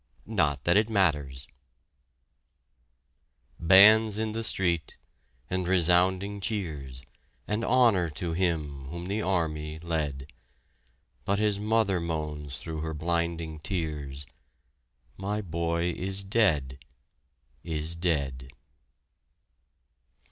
(NOT THAT IT MATTERS) Bands in the street, and resounding cheers, And honor to him whom the army led! But his mother moans thro' her blinding tears "My boy is dead is dead!"